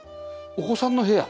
お子さんの部屋？